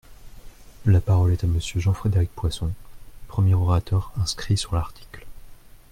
La parole est à Monsieur Jean-Frédéric Poisson, premier orateur inscrit sur l’article.